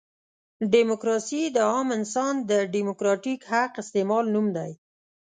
ډیموکراسي د عام انسان د ډیموکراتیک حق استعمال نوم دی.